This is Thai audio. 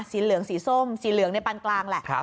สีเหลืองสีส้มสีเหลืองในปานกลางแหละ